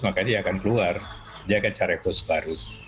maka dia akan keluar dia akan cari cost baru